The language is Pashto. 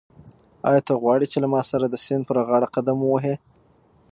آیا ته غواړې چې له ما سره د سیند پر غاړه قدم ووهې؟